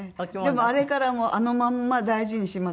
でもあれからあのまんま大事にしまってます。